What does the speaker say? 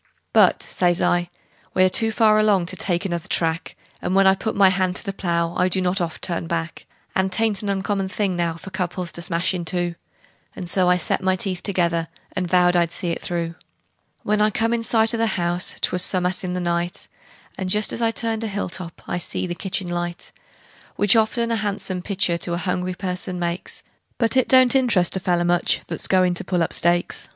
"But," says I, "we're too far along to take another track, And when I put my hand to the plow I do not oft turn back; And 'tain't an uncommon thing now for couples to smash in two;" And so I set my teeth together, and vowed I'd see it through. When I come in sight o' the house 'twas some'at in the night, And just as I turned a hill top I see the kitchen light; "AND JUST AS I TURNED A HILL TOP I SEE THE KITCHEN LIGHT." Which often a han'some pictur' to a hungry person makes, But it don't interest a feller much that's goin' to pull up stakes.